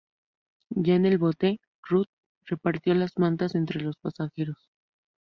Ya en el bote, Ruth repartió las mantas entre los pasajeros.